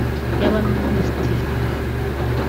yaba Minisitiri